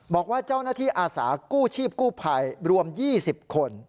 บอกว่าเจ้าหน้าที่อาสากู้ชีพกู้ภัยรวม๒๐คน